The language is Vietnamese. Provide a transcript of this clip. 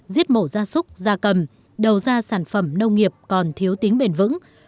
giết mổ gia súc gia cầm đầu ra sản phẩm nông nghiệp còn thiếu tính bền vững